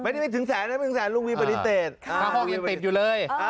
ไม่ได้ไปถึงแสนไม่ได้ไปถึงแสนลุงวีปฏิเสธครับถ้าห้องยังติดอยู่เลย